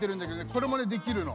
これもねできるの。